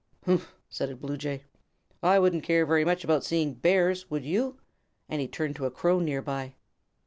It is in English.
"Humph," said a Blue Jay. "I wouldn't care very much about seeing Bears, would you?" And he turned to a Crow near by.